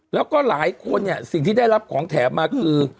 แล้วก็หลายคนเนี่ยสิ่งที่ได้รับของแถมมาคือ